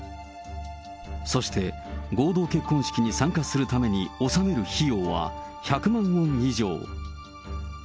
そして、合同結婚式に参加するために納める費用は１００万ウォン以上。